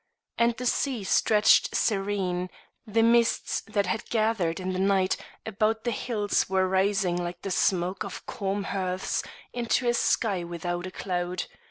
And the sea stretched serene; the mists that had gathered in the night about the hills were rising like the smoke of calm hearths into a sky without a cloud.